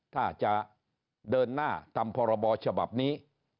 ถ้าจะเดินหน้าตามพรบฉบับนี้